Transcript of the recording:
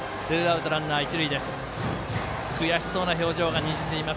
悔しそうな表情がにじんでいます。